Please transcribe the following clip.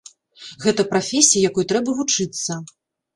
Гэта прафесія, якой трэба вучыцца.